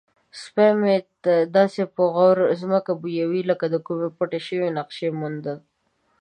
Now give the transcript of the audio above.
سپی مې داسې په غور ځمکه بویوي لکه د کومې پټې شوې نقشې موندل.